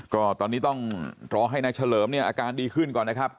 ก็ตอนนี้ต้องรอให้นายเฉลิมเนี่ยอาการดีขึ้นก่อนนะครับ